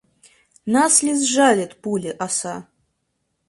Нас ли сжалит пули оса?